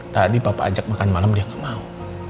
tadi papa ajak makan malam dia gak mau